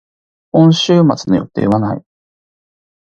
今週末の予定はない。